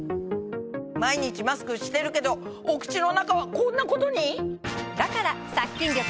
毎日マスクしてるけどお口の中はこんなことに⁉だから。